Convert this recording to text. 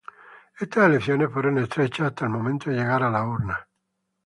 Estas elecciones fueron estrechas hasta el momento de llegar a las urnas.